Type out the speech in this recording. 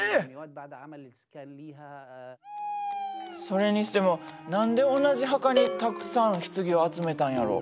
それにしても何で同じ墓にたくさん棺を集めたんやろ。